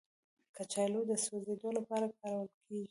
کچالو د سوځیدو لپاره کارول کېږي